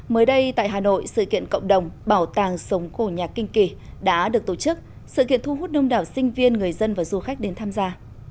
mới đây tại hà nội sự kiện cộng đồng bảo tàng sống cổ nhạc kinh kỳ đã được tổ chức sự kiện thu hút đông đảo sinh viên người dân và du khách đến tham gia